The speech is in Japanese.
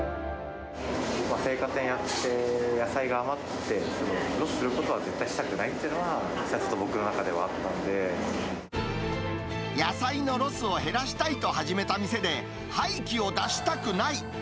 青果店やって、野菜が余って、ロスすることは絶対したくないっていうのは、野菜のロスを減らしたいと始めた店で、廃棄を出したくない。